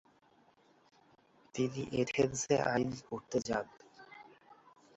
তিনি অ্যাথেন্স এ আইন পড়তে যান।